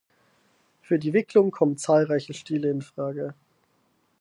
Für die Wicklung kommen zahlreiche Stile in Frage.